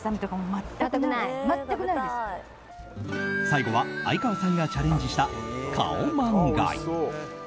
最後は相川さんがチャレンジしたカオマンガイ。